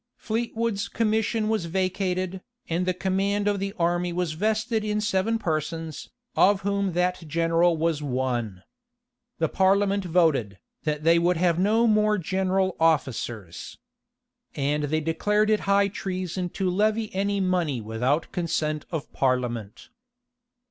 Fleetwood's commission was vacated, and the command of the army was vested in seven persons, of whom that general was one. The parliament voted, that they would have no more general officers. And they declared it high treason to levy any money without consent of parliament.